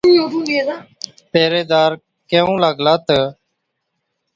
پهريدار ڪيهُون لاگلا تہ،